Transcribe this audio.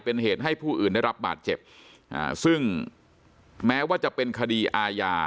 เป็นเหตุให้ผู้อื่นได้รับบาดเจ็บอ่าซึ่งแม้ว่าจะเป็นคดีอาญา